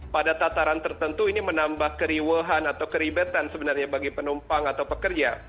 pada tataran tertentu ini menambah keriwahan atau keribetan sebenarnya bagi penumpang atau pekerja